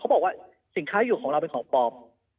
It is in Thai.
บอกว่าสินค้าอยู่ของเราเป็นของปลอม